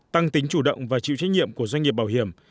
tăng tính chủ động và chịu trách nhiệm của doanh nghiệp bảo hiểm